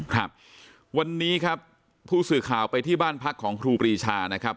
ครับวันนี้ครับผู้สื่อข่าวไปที่บ้านพักของครูปรีชานะครับ